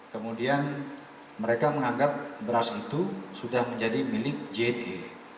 kemudian mereka menganggap beras itu sudah menjadi milik jne